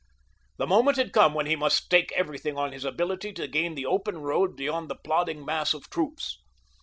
The moment had come when he must stake everything on his ability to gain the open road beyond the plodding mass of troops.